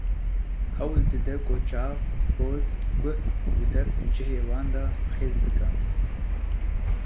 Hewl dide ku çav, poz, guh û dev di cihê wan de xêz bike.